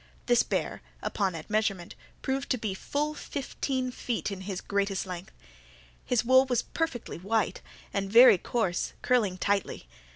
This bear, upon admeasurement, proved to be full fifteen feet in his greatest length. His wool was perfectly white, and very coarse, curling tightly.